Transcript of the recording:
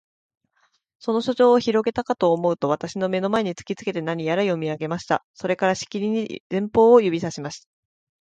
その書状をひろげたかとおもうと、私の眼の前に突きつけて、何やら読み上げました。それから、しきりに前方を指さしました。